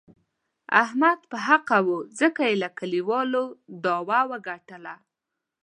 احمد په حقه و، ځکه یې له کلیوالو داوه و ګټله.